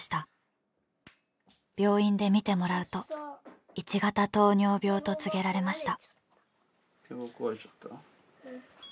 病院で診てもらうと１型糖尿病と告げられました。